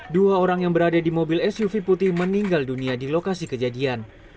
dua orang yang berada di mobil suv putih meninggal dunia di lokasi kejadian